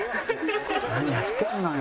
何やってんのよ。